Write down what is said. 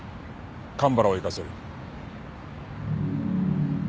蒲原を行かせる。